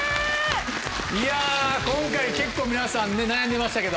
いや今回結構皆さんね悩んでましたけど。